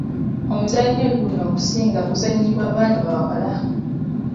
Omuzannyo guno okusinga guzannyibwa baana bawala.